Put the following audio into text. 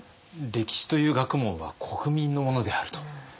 歴史という学問は国民のものであると。